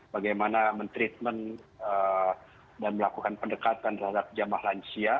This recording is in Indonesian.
bagaimana men treatment dan melakukan pendekatan terhadap jamaah lansia